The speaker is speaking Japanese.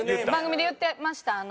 番組で言ってました